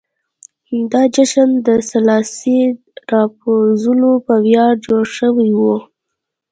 دا جشن د سلاسي د راپرځولو په ویاړ جوړ شوی و.